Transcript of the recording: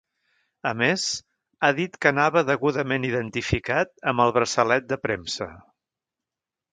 A més, ha dit que anava degudament identificat amb el braçalet de premsa.